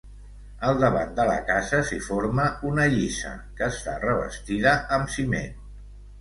Al davant de la casa s'hi forma una lliça, que està revestida amb ciment.